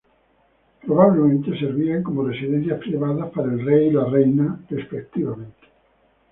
Probablemente servían como residencias privadas para el rey y la reina, respectivamente.